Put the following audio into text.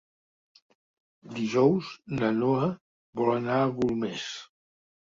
Dijous na Noa vol anar a Golmés.